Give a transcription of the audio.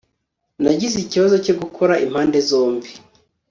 nagize ikibazo cyo gukora impande zombi